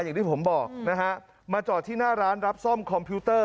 อย่างที่ผมบอกนะฮะมาจอดที่หน้าร้านรับซ่อมคอมพิวเตอร์